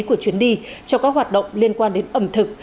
của chuyến đi cho các hoạt động liên quan đến ẩm thực